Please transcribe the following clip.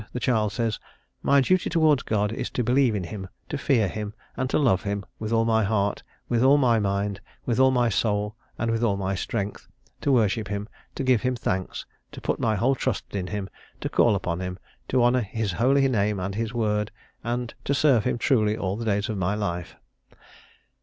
the child says: "My duty towards God is to believe in him, to fear him, and to love him with all my heart, with all my mind, with all my soul, and with all my strength; to worship him, to give him thanks, to put my whole trust in him, to call upon him, to honour his holy name and his word, and to serve him truly all the days of my life."